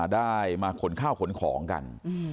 ได้มาขนข้าวขนของกัน